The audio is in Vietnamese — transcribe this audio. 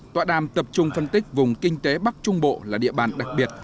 tọa đàm tập trung phân tích vùng kinh tế bắc trung bộ là địa bàn đặc biệt